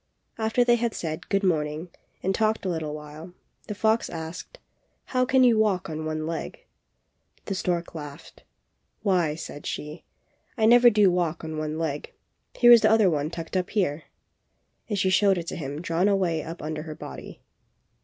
After they had said "Good morning," and talked a little while, the fox asked, "How can you walk on one leg?" The stork laughed. "Why," said she, "I never do walk on one leg; here is the other one tucked up here!" and she showed it to him drawn way up under her body.